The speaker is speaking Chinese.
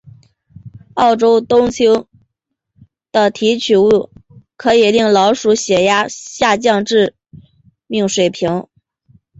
欧洲冬青的提取物可以令老鼠的血压下降至致命水平。